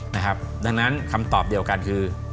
ดังนั้นคำตอบเดียวกันคือ